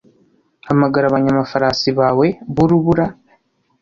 hamagara abanyamafarasi bawe b'urubura